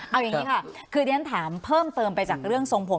เอาอย่างนี้ค่ะคือที่ฉันถามเพิ่มเติมไปจากเรื่องทรงผม